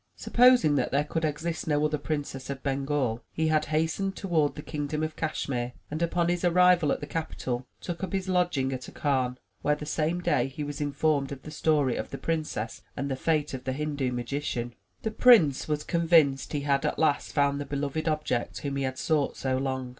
Supposing that there could exist no other Princess of Bengal, he had hastened toward the kingdom of Cashmere, and upon his arrival at the capital, took up his lodging at a khan, where, the same day, he was informed of the story of the princess and the fate of the Hindu magician. The prince was convinced he had at last found the beloved object whom he had sought so long.